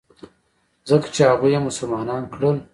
ځکه چې هغوى يې مسلمانان کړل.